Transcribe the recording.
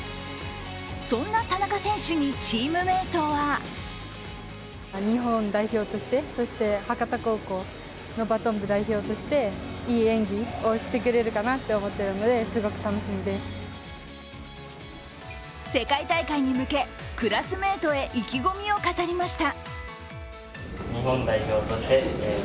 そんな田中選手にチームメートは世界大会に向け、クラスメートへ意気込みを語りました。